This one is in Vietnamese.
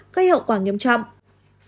có hiệu quả nghiêm trọng